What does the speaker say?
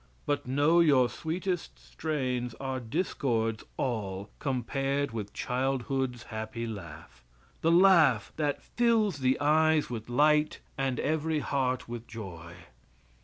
But know your sweetest strains are discords all compared with childhood's happy laugh the laugh that fills the eyes with light and every heart with joy!